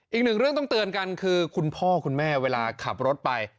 อีกหนึ่งเรื่องต้องเตือนกันคือคุณพ่อคุณแม่เวลาขับรถไป